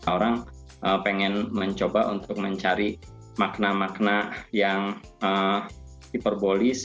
orang pengen mencoba untuk mencari makna makna yang hiperbolis